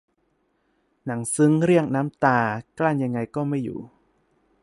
หนังซึ้งเรียกน้ำตา กลั้นยังไงก็ไม่อยู่